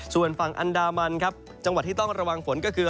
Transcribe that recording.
ส่วนฝั่งอันดามันครับจังหวัดที่ต้องระวังฝนก็คือ